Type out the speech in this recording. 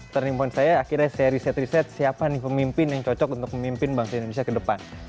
turning point saya akhirnya saya riset riset siapa nih pemimpin yang cocok untuk memimpin bangsa indonesia ke depan